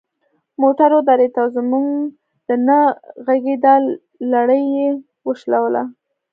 موټر ودرید او زموږ د نه غږیدا لړۍ یې وشلوله.